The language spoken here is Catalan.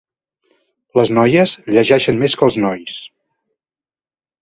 Les noies llegeixen més que els nois.